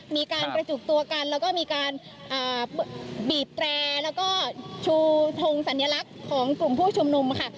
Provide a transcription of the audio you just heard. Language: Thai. มีการกระจุกตัวกันแล้วก็มีการบีบแตรแล้วก็ชูทงสัญลักษณ์ของกลุ่มผู้ชุมนุมค่ะ